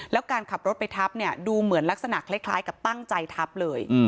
แล้วการขับรถไปทับเนี่ยดูเหมือนลักษณะคล้ายกับตั้งใจทับเลย